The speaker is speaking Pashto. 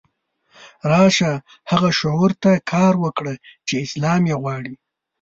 راشه هغه شعور ته کار وکړه چې اسلام یې غواړي.